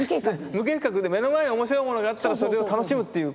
無計画で目の前に面白いものがあったらそれを楽しむっていうことですよね。